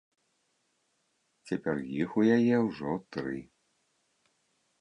Цяпер іх у яе ўжо тры!